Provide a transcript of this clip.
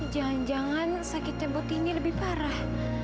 jangan jangan sakitnya butini lebih parah